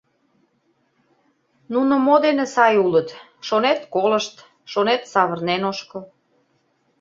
Нуно мо дене сай улыт: шонет — колышт, шонет — савырнен ошкыл.